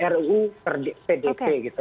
ru pdp gitu